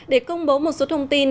để công bố một số thông tin